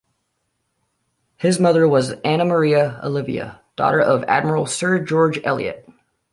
His mother was Anna Maria Olivia, daughter of Admiral Sir George Elliot.